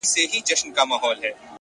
o چي ياد پاته وي ـ ياد د نازولي زمانې ـ